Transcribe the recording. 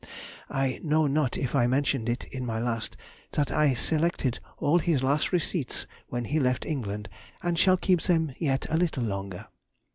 I know not if I mentioned it in my last that I selected all his last receipts when he left England, and shall keep them yet a little longer.